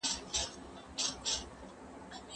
پانګوال غواړي خپل توکي خرڅ کړي.